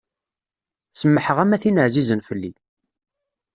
Semmḥeɣ-am a tin ɛzizen fell-i.